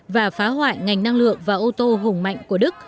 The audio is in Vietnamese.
và phá hoại ngành năng lượng và ô tô hùng mạnh của đức